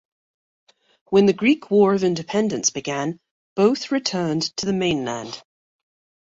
When the Greek war of Independence began, both returned to the mainland.